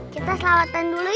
kita selawatan dulu yuk